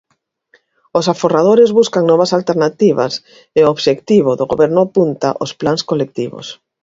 Os aforradores buscan novas alternativas e o obxectivo do Goberno apunta aos plans colectivos.